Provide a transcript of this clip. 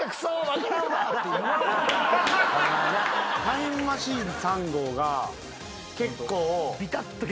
タイムマシーン３号が結構びたっと。